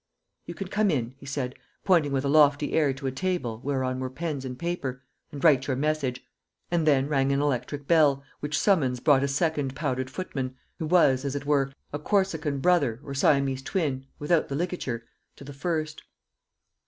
"You can come in," he said, pointing with a lofty air to a table whereon were pens and paper, "and write your message." And then rang an electric bell, which summons brought a second powdered footman, who was, as it were, a Corsican Brother or Siamese Twin, without the ligature, to the first.